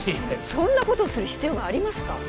そんなことをする必要がありますか？